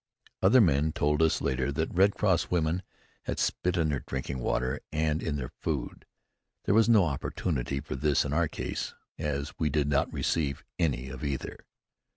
Other men told us later that Red Cross women had spat in their drinking water and in their food. There was no opportunity for this in our case as we did not receive any of either.